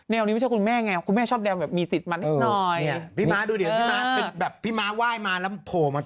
แนวนี้ไม่ใช่คุณแม่ไงคุณแม่ชอบแนวมีสิทธิ์มันนิดหน่อย